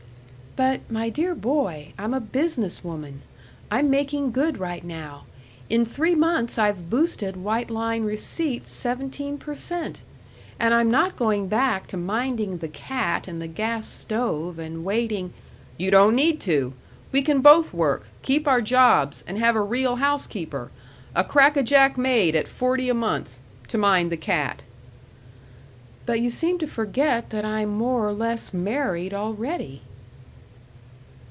"But, my dear boy, I'm a business woman. I'm making good right now. In three months I've boosted White Line receipts seventeen per cent., and I'm not going back to minding the cat and the gas stove and waiting " "You don't need to. We can both work, keep our jobs, and have a real housekeeper a crackajack maid at forty a month to mind the cat." "But you seem to forget that I'm more or less married already."